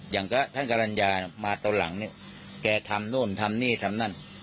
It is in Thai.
อย่างก็ท่านกรรณญามาตอนหลังเนี่ยแกทำนู่นทำนี่ทำนั่น